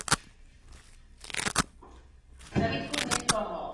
Distributorem pro label je Def Jam Recordings.